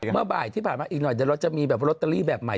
เมื่อบ่ายที่ผ่านมาอีกหน่อยเดี๋ยวเราจะมีแบบลอตเตอรี่แบบใหม่